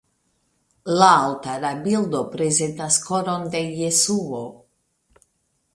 La altara bildo prezentas Koron de Jesuo.